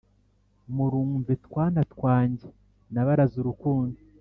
Murumve twana twanjye nabaraze urukundo